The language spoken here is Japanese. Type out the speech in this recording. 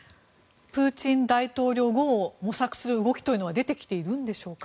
プーチン大統領後を模索する動きというのは出てきているんでしょうか。